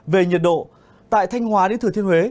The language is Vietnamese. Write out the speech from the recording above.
về nhiệt độ tại thanh hóa đến thừa thiên huế